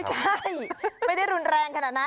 ใช่ไม่ได้รุนแรงขนาดนั้น